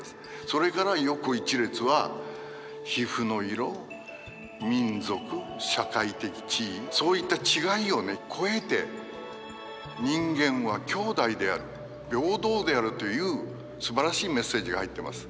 それから横一列は皮膚の色民族社会的地位そういった違いをね超えて人間は兄弟である平等であるというすばらしいメッセージが入ってます。